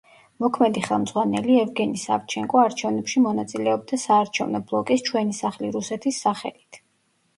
მოქმედი ხელმძღვანელი, ევგენი სავჩენკო არჩევნებში მონაწილეობდა საარჩევნო ბლოკის „ჩვენი სახლი რუსეთის“ სახელით.